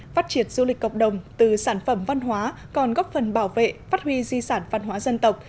phát triển du lịch cộng đồng từ sản phẩm văn hóa còn góp phần bảo vệ phát huy di sản văn hóa dân tộc